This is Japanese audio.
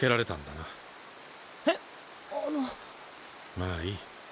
まあいい。